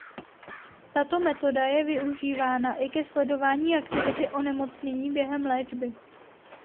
Tato metoda je využívána i ke sledování aktivity onemocnění během léčby.